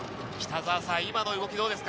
今の動き、どうですか？